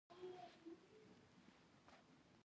ددغه ځای قهوه بېل خوند لري.